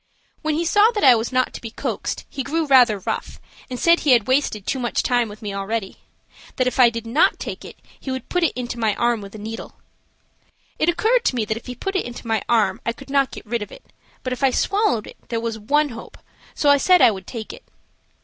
When he saw that I was not to be coaxed he grew rather rough, and said he had wasted too much time with me already. That if I did not take it he would put it into my arm with a needle. It occurred to me that if he put it into my arm I could not get rid of it, but if I swallowed it there was one hope, so I said I would take it.